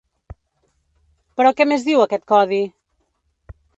Però què més diu aquest codi?